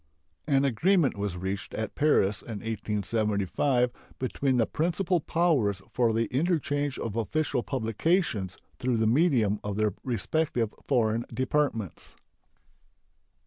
An agreement was reached at Paris in 1875 between the principal powers for the interchange of official publications through the medium of their respective foreign departments.